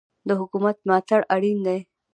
د حکومت ملاتړ اړین دی.